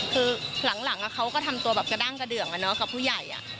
คือหลังเขาก็ทำตัวแบบกระด้างกระเดืองกับผู้ใหญ่